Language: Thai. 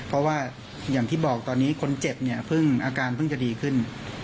เพราะว่าอย่างที่บอกตอนนี้คนเจ็บเนี่ยเพิ่งอาการเพิ่งจะดีขึ้น